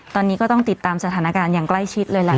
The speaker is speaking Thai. ตอนนี้ก็ต้องติดตามสถานการณ์อย่างใกล้ชิดเลยแหละ